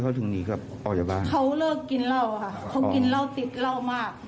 เขาเลิกกินเหล้าค่ะเขากินเหล้าติดเหล้ามาก